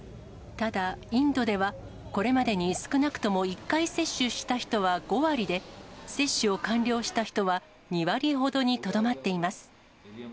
ただ、インドではこれまでに少なくとも１回接種した人は５割で、接種を完了した人は２割ほどにとどまっています。